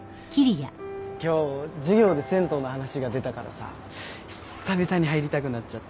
今日授業で銭湯の話が出たからさ久々に入りたくなっちゃって。